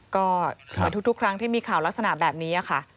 ก็เหมือนทุกครั้งที่มีข่าวลักษณะแบบนี้ค่ะ